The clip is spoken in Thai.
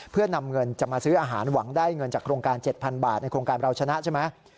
เพื่อนำเงินจะมาซื้ออาหารหวังได้เงินจากโครงการ๗๐๐บาทในโครงการเราชนะใช่ไหม